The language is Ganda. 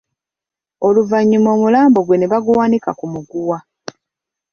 Oluvannyuma omulambo gwe ne baguwanika ku muguwa.